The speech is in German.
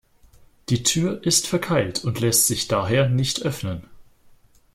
Die Tür ist verkeilt und lässt sich daher nicht öffnen.